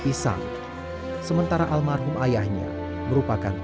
insya allah allah akan memberikannya